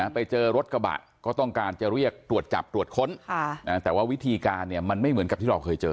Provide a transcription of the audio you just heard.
ไปเจอรถกระบะก็ต้องการจะเรียกตรวจจับตรวจค้นแต่ว่าวิธีการเนี่ยมันไม่เหมือนกับที่เราเคยเจอ